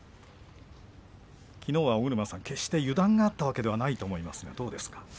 きのうは、決して油断があったわけではないと思いますがどうですか。